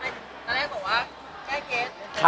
ทำไมตอนแรกบอกว่าแก้เค๊ส